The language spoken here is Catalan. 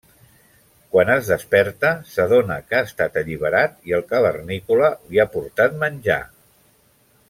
Quan es desperta, s'adona que ha estat alliberat i el cavernícola li ha portat menjar.